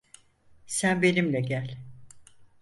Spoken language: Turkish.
Sen benimle gel.